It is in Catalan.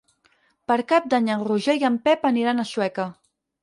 Per Cap d'Any en Roger i en Pep aniran a Sueca.